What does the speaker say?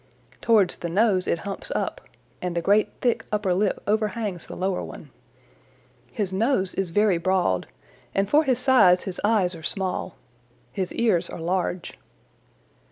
Towards the nose it humps up, and the great thick upper lip overhangs the lower one. His nose is very broad, and for his size his eyes are small. His ears are large.